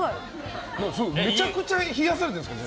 めちゃくちゃ冷やされてるんですか。